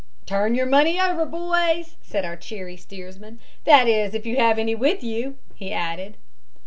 'Turn your money over, boys,' said our cheery steersman, 'that is, if you have any with you,' he added.